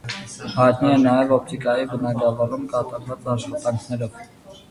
Հայտնի է նաև օպտիկայի բնագավառում կատարած աշխատանքներով։